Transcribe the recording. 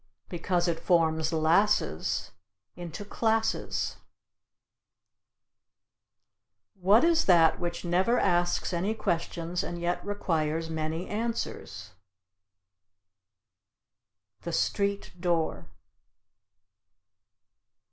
Because it forms lasses into classes. What is that which never asks any questions and yet requires many answers? The street door.